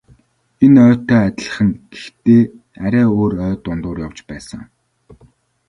Энэ ойтой адилхан гэхдээ арай өөр ой дундуур явж байсан.